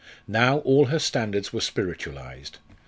Now all her standards were spiritualised.